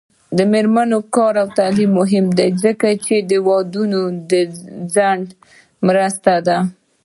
د میرمنو کار او تعلیم مهم دی ځکه چې ودونو ځنډ مرسته ده